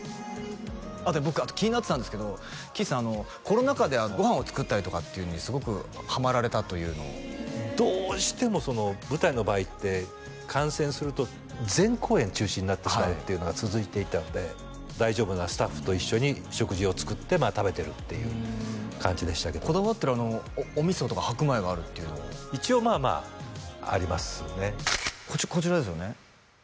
あと僕気になってたんですけど貴一さんあのコロナ禍でご飯を作ったりとかっていうのにすごくハマられたというのをどうしても舞台の場合って感染すると全公演中止になってしまうっていうのが続いていたんで大丈夫なスタッフと一緒に食事を作って食べてるっていう感じでしたけどこだわってるお味噌とか白米があるっていうのを一応まあまあありますねこちらですよね？